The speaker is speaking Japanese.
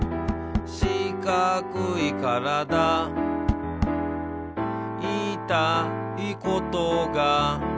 「しかくいからだ」「いいたいことが」